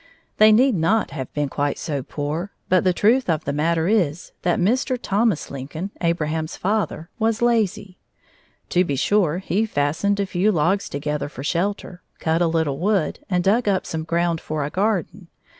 They need not have been quite so poor, but the truth of the matter is that Mr. Thomas Lincoln, Abraham's father, was lazy. To be sure he fastened a few logs together for shelter, cut a little wood, and dug up some ground for a garden.